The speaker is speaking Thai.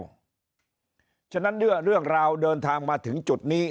เพราะฉะนั้นเมื่อเรื่องราวเดินทางมาถึงจุดนี้